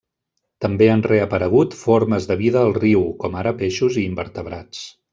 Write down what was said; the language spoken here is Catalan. També han reaparegut formes de vida al riu, com ara peixos i invertebrats.